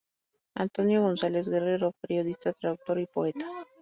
Antonio González Guerrero, periodista, traductor y poeta.